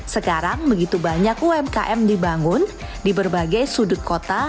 sekarang begitu banyak umkm dibangun di berbagai sudut kota